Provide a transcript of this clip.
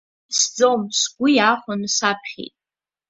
Изӡом, сгәы иахәаны саԥхьеит.